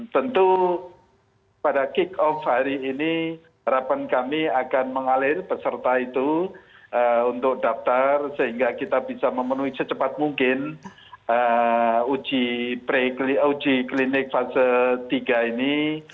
tentu pada kick off hari ini harapan kami akan mengalir peserta itu untuk daftar sehingga kita bisa memenuhi secepat mungkin uji klinik fase tiga ini